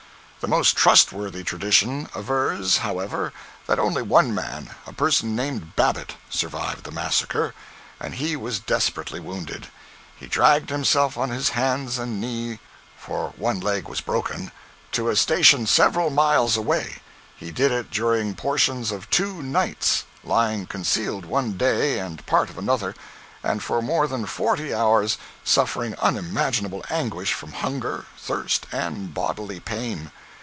The most trustworthy tradition avers, however, that only one man, a person named Babbitt, survived the massacre, and he was desperately wounded. He dragged himself on his hands and knee (for one leg was broken) to a station several miles away. He did it during portions of two nights, lying concealed one day and part of another, and for more than forty hours suffering unimaginable anguish from hunger, thirst and bodily pain.